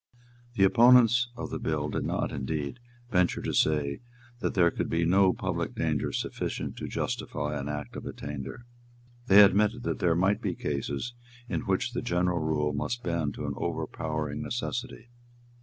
The opponents of the bill did not, indeed, venture to say that there could be no public danger sufficient to justify an Act of Attainder. They admitted that there might be cases in which the general rule must bend to an overpowering necessity.